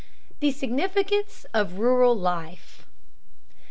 THE SIGNIFICANCE OF RURAL LIFE.